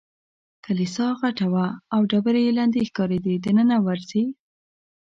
کلیسا غټه وه او ډبرې یې لندې ښکارېدې، دننه ورځې؟